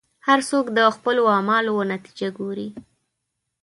هر څوک د خپلو اعمالو نتیجه ګوري.